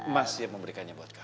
mas siap memberikannya buat kamu